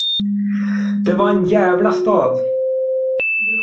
Det var en djävla stad.